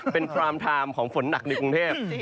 เป็นฟรามไทม์ของฝนหนักในกรุงเทพ